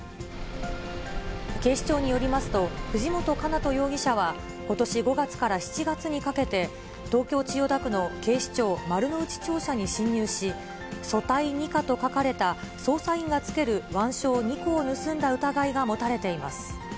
警視庁によりますと、藤本叶人容疑者はことし５月から７月にかけて、東京・千代田区の警視庁丸の内庁舎に侵入し、組対二課と書かれた捜査員がつける腕章２個を盗んだ疑いが持たれています。